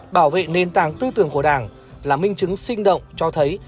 bảo vệ nền tảng tư tưởng của đảng là minh chứng sinh động cho thấy